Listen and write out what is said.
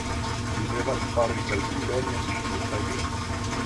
Li devas fari kalkulon ĉiutage.